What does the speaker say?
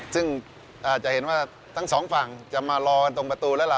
ซึ่งจะเห็นว่าทั้งสองฝั่งจะมารอกันตรงประตูแล้วล่ะ